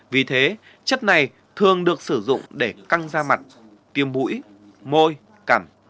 vì thế chất này thường được sử dụng để căng da mặt tiêm bũi môi cẳm